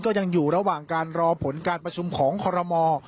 ยังอยู่ระหว่างการรอผลการประชุมของคอรมอล